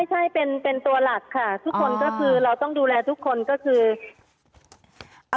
ใช่เป็นเป็นตัวหลักค่ะทุกคนก็คือเราต้องดูแลทุกคนก็คืออ่า